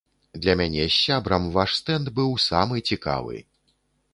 Для мяне з сябрам ваш стэнд быў самы цікавы!